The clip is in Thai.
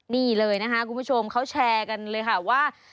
นี่เลยนะคะคุณผู้ชมเขาแชร์กันเลยค่ะว่า